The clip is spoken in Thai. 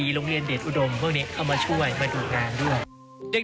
โรงเรียนเดชอุดมพวกนี้เข้ามาช่วยมาดูงานด้วย